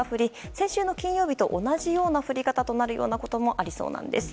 先週の金曜日と同じような降り方となるようなこともありそうなんです。